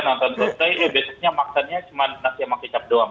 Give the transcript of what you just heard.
nonton konser ya besoknya maksanya cuma nasi sama kecap doang